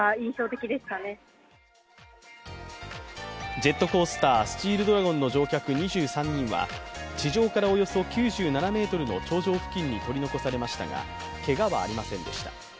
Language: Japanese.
ジェットコースター・スチールドラゴンの乗客２３人は地上からおよそ９７ｍの頂上付近に取り残されましたがけがはありませんでした。